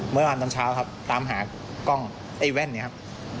เมื่อวานตอนเช้าผมก็เลยตามหากล้องแว่นนี้ครับ